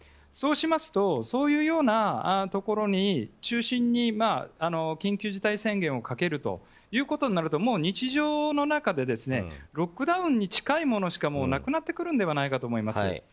そうしますとそういうようなところを中心に緊急事態宣言をかけるということになるともう日常の中でロックダウンに近いものしかなくなってくるのではないかと思います。